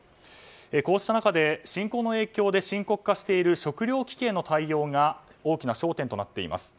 こうした中で侵攻の影響で深刻化している食糧危機への対応が大きな焦点となっています。